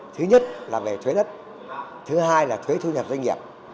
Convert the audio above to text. thứ nhất là về thuế đất thứ hai là thuế thu nhập doanh nghiệp